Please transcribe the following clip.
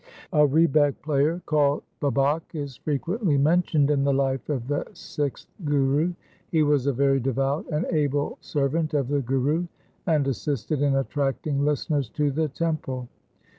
A rebeck player called Babak is frequently mentioned in the life of the sixth Guru. He was a very devout and able servant of the Guru and assisted in attracting listeners to the temple.